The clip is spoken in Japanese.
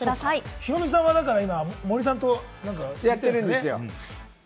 ヒロミさんは今、森さんとやってるんですよね？